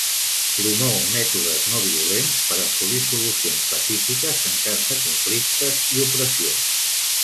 Promou mètodes no violents per assolir solucions pacífiques en cas de conflictes i opressió.